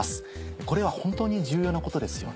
これは本当に重要なことですよね。